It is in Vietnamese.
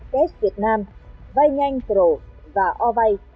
kết việt nam vay nhanh rổ và ovay